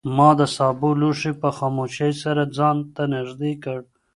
ما د سابو لوښی په خاموشۍ سره ځان ته نږدې کړ.